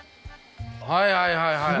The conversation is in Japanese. はいはいはいはい。